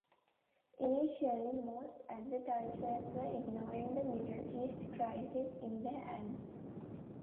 Initially, most advertisers were ignoring the Middle East crisis in their ads.